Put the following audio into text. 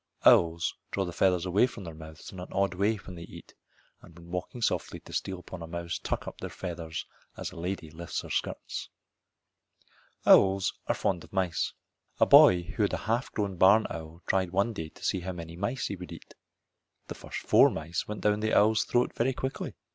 Owls draw the feathers away from their mouths in an odd way when they eat, and when walking softly to steal upon a mouse tuck up their feathers as a lady lifts her skirts. Owls are fond of mice. A boy who had a half grown barn owl tried him one day to see how many mice he would eat. The first four mice went down the owl's throat very quickly.